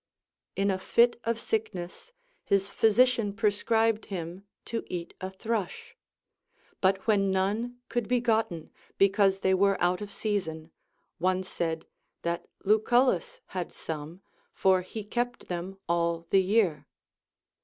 In a fit of sick ness, his physician prescribed him to eat a thrush ; but when none could be gotten, because they were out of season, one said, that LucuUus had some, for he kept them all the year.